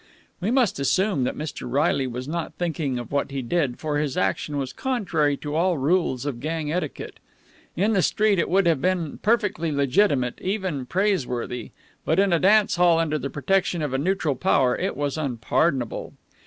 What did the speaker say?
We must assume that Mr. Reilly was not thinking of what he did, for his action was contrary to all rules of gang etiquette. In the street it would have been perfectly legitimate, even praiseworthy, but in a dance hall under the protection of a neutral power it was unpardonable.